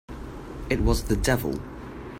It was the devil!